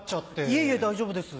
いえいえ大丈夫です。